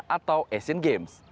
atau asian games